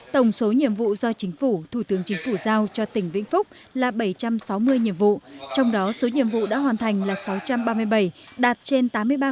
tổng số nhiệm vụ do chính phủ thủ tướng chính phủ giao cho tỉnh vĩnh phúc là bảy trăm sáu mươi nhiệm vụ trong đó số nhiệm vụ đã hoàn thành là sáu trăm ba mươi bảy đạt trên tám mươi ba